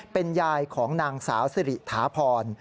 เป็นยายของนางสาวสิริถาพร